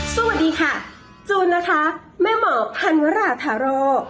สวัสดีค่ะจูนนะคะแม่หมอพันวราธาโร